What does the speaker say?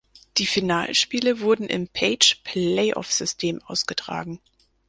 Die Finalspiele wurden im Page-Playoff-System ausgetragen.